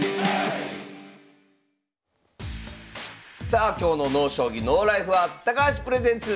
さあ今日の「ＮＯ将棋ＮＯＬＩＦＥ」は「高橋プレゼンツ